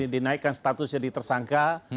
dinaikkan statusnya di tersangka